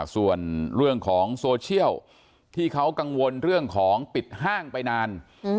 ส่วนเรื่องของโซเชียลที่เขากังวลเรื่องของปิดห้างไปนาน